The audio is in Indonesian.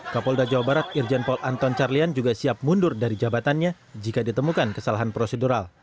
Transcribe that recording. kapolda jawa barat irjen paul anton carlyan juga siap mundur dari jabatannya jika ditemukan kesalahan prosedural